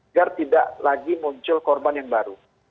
agar tidak lagi muncul korban yang baru